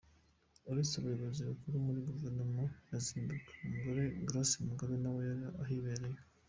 Uretse abayobozi bakuru muri guverinoma ya Zimbabwe, umugore we Grace Mugabe nawe yari ahibereye.